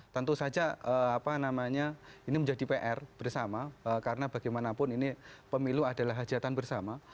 tentu saja ini menjadi pr bersama karena bagaimanapun ini pemilu adalah hajatan bersama